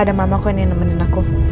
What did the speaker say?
ada mamah kok yang nemenin aku